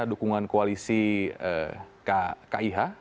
dukungan koalisi kih